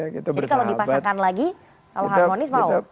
jadi kalau dipasangkan lagi kalau harmonis mau